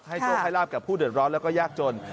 โชคให้ลาบกับผู้เดือดร้อนแล้วก็ยากจน